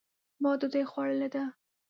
ما ډوډۍ خوړلې ده